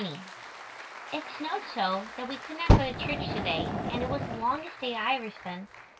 _ It snowed so, that we could not go to church to day and it was the longest day I ever spent.